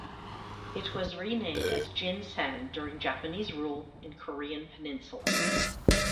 It was renamed as Jinsen during Japanese rule in Korean peninsula.